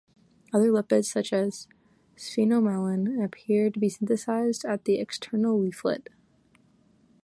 Other lipids, such as sphingomyelin, appear to be synthesised at the external leaflet.